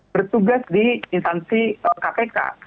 bertugas di instansi kpk